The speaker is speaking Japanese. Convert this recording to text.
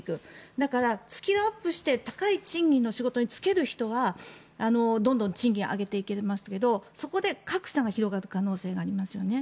だから、スキルアップして高い賃金の仕事に就ける人はどんどん賃金を上げていけますがそこで格差が広がる可能性がありますよね。